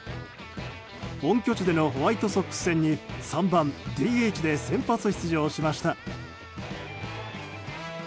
本拠地でのホワイトソックス戦に３番ＤＨで先発出場しました。